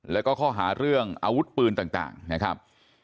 แล้วก็ข้อหาเรื่องอาวุธปืนต่างนะครับ